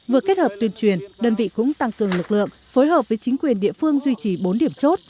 vừa kết hợp tuyên truyền đơn vị cũng tăng cường lực lượng phối hợp với chính quyền địa phương duy trì bốn điểm chốt